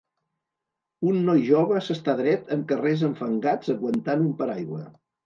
Un noi jove s'està dret en carrers enfangats aguantant un paraigua.